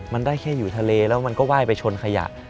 มันได้แค่อยู่ทะเลแล้วมันก็ไห้ไปชนขยะ